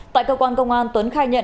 tại cơ quan công an tuấn khai nhận